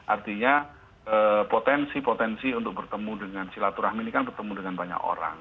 artinya potensi potensi untuk bertemu dengan silaturahmi ini kan bertemu dengan banyak orang